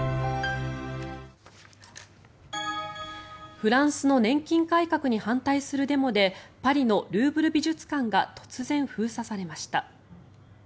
フランスの年金改革に反対するデモでパリのルーブル美術館が突然封鎖されました。